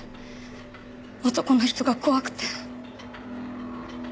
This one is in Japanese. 男の人が怖くて。